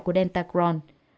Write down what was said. của delta crohn